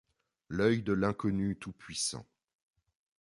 L’oeil-de l’Inconnu tout-puissant.